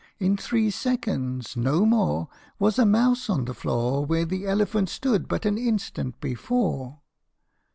In three seconds no more Was a mouse on the floor Where the elephant stood but an instant before.